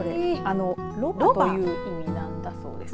ロバという意味なんだそうです。